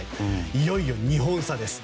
いよいよ２本差です。